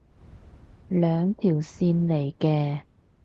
兩條線嚟嘅